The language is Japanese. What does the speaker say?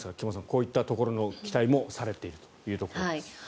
こういったところの期待もされているところです。